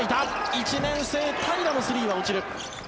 １年生、平良のスリーは落ちる。